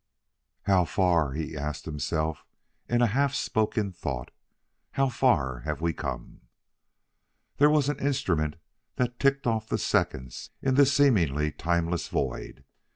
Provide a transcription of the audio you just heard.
"How far?" he asked himself in a half spoken thought, " how far have we come?" There was an instrument that ticked off the seconds in this seemingly timeless void.